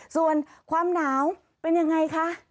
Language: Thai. ส่วนความหนาวเป็นยังไงคะ